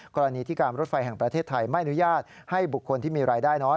กรณีที่การรถไฟแห่งประเทศไทยไม่อนุญาตให้บุคคลที่มีรายได้น้อย